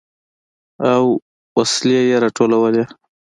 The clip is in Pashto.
او وسلې يې راټولولې.